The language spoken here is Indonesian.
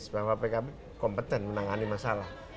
bahwa pkb kompeten menangani masalah